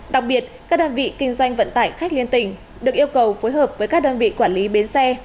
đặc biệt các đơn vị kinh doanh vận tải khách liên tỉnh được yêu cầu phối hợp với các đơn vị quản lý bến xe